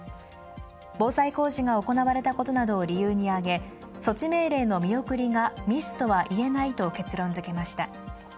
防災工事が行われたことなどを理由に挙げ措置命令の見送りがミスとは言えないと結論づけました。